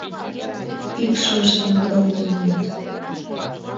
Икшывыштым кудалтен улыт...